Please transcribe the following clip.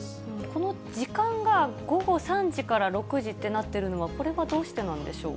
この時間が、午後３時から６時ってなってるのは、これはどうしてなんでしょう